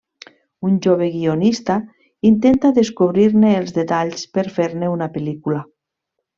Un jove guionista intenta descobrir-ne els detalls per fer-ne una pel·lícula.